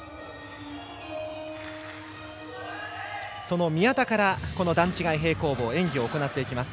その宮田から段違い平行棒演技を行っていきます。